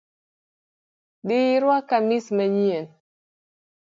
Dhi iruak kamis manyien